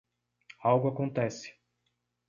Algo acontece